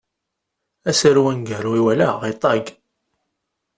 Asaru aneggaru i walaɣ iṭag.